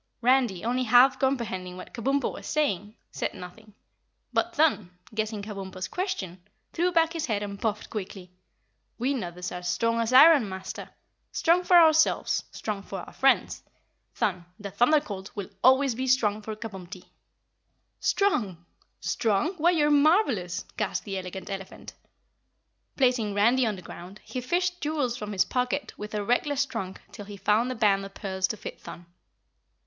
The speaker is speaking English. Randy, only half comprehending what Kabumpo was saying, said nothing, but Thun, guessing Kabumpo's question, threw back his head and puffed quickly: "We Nuthers are strong as iron, Master. Strong for ourselves, strong for our friends. Thun, the Thunder Colt, will always be strong for Kabumpty!" "Strong! Strong? Why, you're marvelous," gasped the Elegant Elephant. Placing Randy on the ground, he fished jewels from his pocket with a reckless trunk till he found a band of pearls to fit Thun.